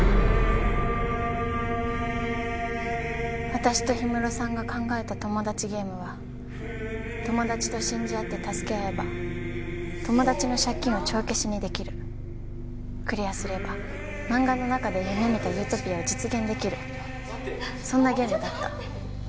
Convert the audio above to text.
私と火室さんが考えたトモダチゲームは友達と信じ合って助け合えば友達の借金を帳消しにできるクリアすれば漫画の中で夢見たユートピアを実現できるそんなゲームだった。